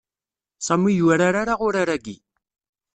Sami ur yurar-ara urar-agi.